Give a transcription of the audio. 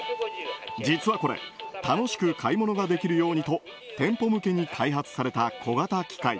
実はこれ楽しく買い物ができるようにと店舗向けに開発された小型機械